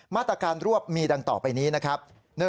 มาตรการรวบมีดังต่อไปนี้นะครับ